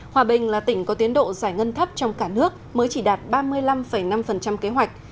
hòa bình là tỉnh có tiến độ giải ngân thấp trong cả nước mới chỉ đạt ba mươi năm năm kế hoạch